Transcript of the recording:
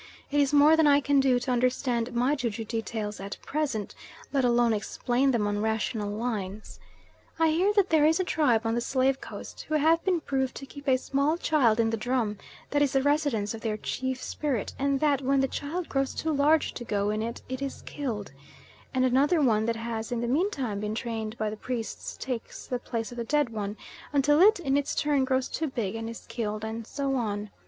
It is more than I can do to understand my ju ju details at present, let alone explain them on rational lines. I hear that there is a tribe on the slave coast who have been proved to keep a small child in the drum that is the residence of their chief spirit, and that when the child grows too large to go in it is killed, and another one that has in the meantime been trained by the priests takes the place of the dead one, until it, in its turn, grows too big and is killed, and so on.